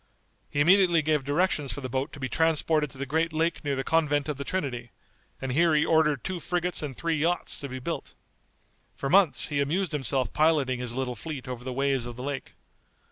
He immediately gave directions for the boat to be transported to the great lake near the convent of the Trinity, and here he ordered two frigates and three yachts to be built. For months he amused himself piloting his little fleet over the waves of the lake.